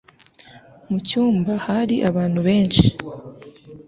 Mucyumba hari abantu benshi.